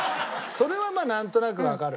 それはまあなんとなくわかるね。